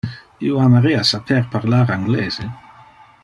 Io amarea saper parlar anglese.